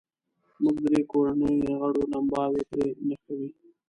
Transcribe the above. موږ درې کورنیو غړو لمباوې پرې نښوې.